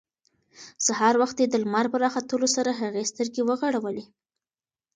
سهار وختي د لمر په راختلو سره هغې سترګې وغړولې.